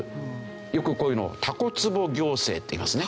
よくこういうのをタコつぼ行政っていいますね。